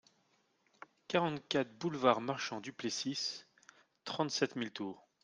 quarante-quatre boulevard Marchant Duplessis, trente-sept mille Tours